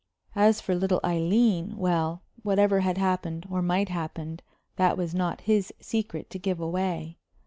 As for little Aileen, well, whatever had happened, or might happen, that was not his secret to give away.